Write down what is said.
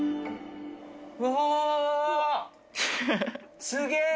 うわ、すげぇ！